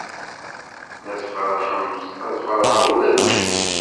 Ma tfeṛḥemt, ad feṛḥeɣ ula d nekk.